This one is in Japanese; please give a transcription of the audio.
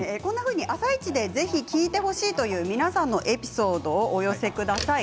「あさイチ」でぜひ聞いてほしいという皆さんのエピソードもぜひお寄せください。